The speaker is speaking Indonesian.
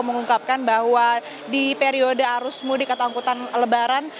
mengungkapkan bahwa di periode arus mudik atau angkutan lebaran